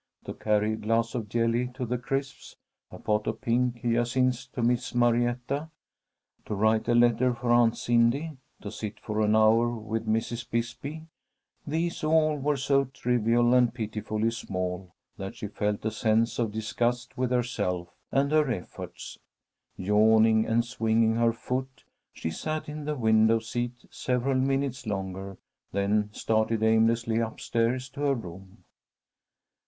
To carry a glass of jelly to the Crisps, a pot of pink hyacinths to Miss Marietta, to write a letter for Aunt Cindy, to sit for an hour with Mrs. Bisbee, these all were so trivial and pitifully small that she felt a sense of disgust with herself and her efforts. Yawning and swinging her foot, she sat in the window seat several minutes longer, then started aimlessly up stairs to her room.